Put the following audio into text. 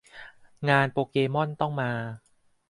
งานโปเกมอนต้องมา